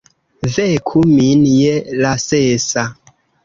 Veku min je la sesa!